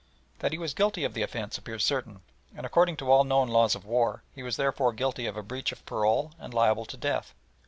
That he was guilty of the offence appears certain, and according to all known laws of war, he was therefore guilty of a breach of parole and liable to death.